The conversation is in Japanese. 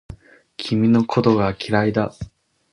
君のことが嫌いだ